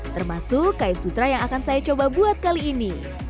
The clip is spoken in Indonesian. termasuk kain sutra yang akan saya coba buat kali ini